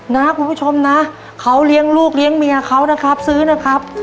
นะคุณผู้ชมนะเขาเลี้ยงลูกเลี้ยงเมียเขานะครับซื้อนะครับ